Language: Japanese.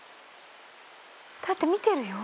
だって見てるよ。